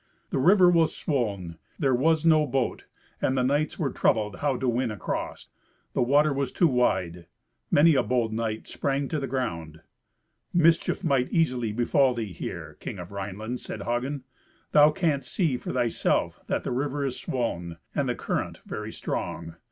The river was swoln, there was no boat, and the knights were troubled how to win across. The water was too wide. Many a bold knight sprang to the ground. "Mischief might easily befall thee here, King of Rhineland," said Hagen; "thou canst see for thyself that the river is swoln, and the current very strong.